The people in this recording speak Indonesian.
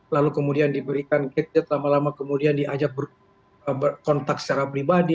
lalu kemudian diberikan gadget lama lama kemudian diajak berkontak secara pribadi